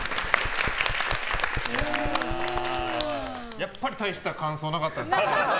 やっぱり大した感想なかったですね。